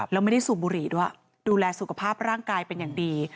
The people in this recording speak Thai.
แล้วไม่ได้สูบบุหรี่ด้วยดูแลสุขภาพร่างกายเป็นอย่างดี